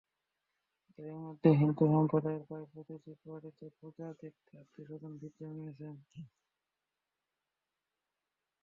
এরই মধ্যে হিন্দু সম্প্রদায়ের প্রায় প্রতিটি বাড়িতে পূজা দেখতে আত্মীয়স্বজন ভিড় জমিয়েছেন।